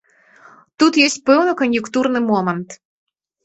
Тут ёсць пэўны кан'юнктурны момант.